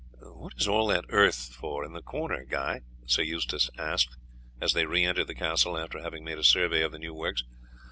"What is all that earth for in the corner, Guy?" Sir Eustace asked as they re entered the castle after having made a survey of the new works.